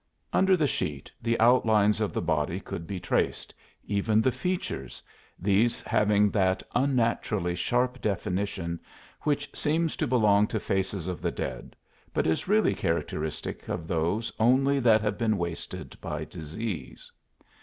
Under the sheet the outlines of the body could be traced, even the features, these having that unnaturally sharp definition which seems to belong to faces of the dead, but is really characteristic of those only that have been wasted by disease.